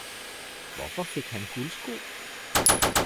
Hvorfor fik han guldsko?